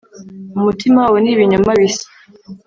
Umutima wabo ni ibinyoma bisa,